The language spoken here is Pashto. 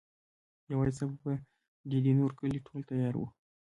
یواځي ته به بلېدې نورکلی ټول تیاره وو